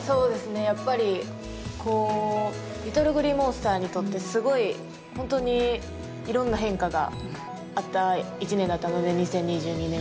やっぱりＬｉｔｔｌｅＧｌｅｅＭｏｎｓｔｅｒにとってすごい本当にいろんな変化があった一年だったので２０２２年は。